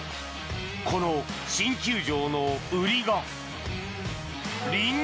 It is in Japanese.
この新球場の売りが。